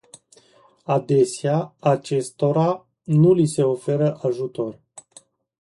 Adesea, acestora nu li se oferă ajutor.